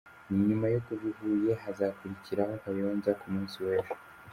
Nyuma yo kuva i Huye, hazakurikiraho Kayonza ku munsi w’ejo